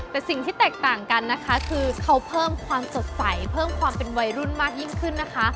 แต่สิ่งที่แตกต่างกันนะคะคือเขาเพิ่มความสดใสเพิ่มความเป็นวัยรุ่นมากยิ่งขึ้นนะคะ